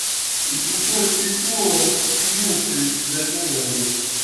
El fruto es tipo aquenio, se dispersa con el viento.